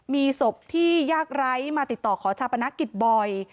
มีศพที่ยากไร้มาติดต่อขอชาปนกิจบ่อย